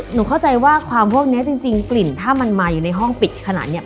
หนูเข้าใจว่าความพวกนี้จริงกลิ่นถ้ามันมาอยู่ในห้องปิดขนาดนี้